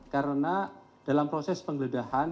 karena dalam proses pengledahan